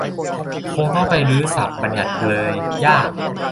คงต้องไปรื้อศัพท์บัญญัติเลย ยาก